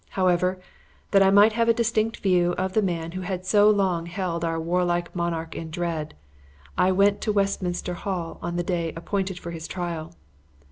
However, that I might have a distinct view of the man who has so long held our warlike monarch in dread, I went to Westminster Hall on the day appointed for his trial.